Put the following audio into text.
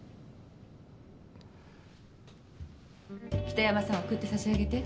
北山さん送ってさしあげて。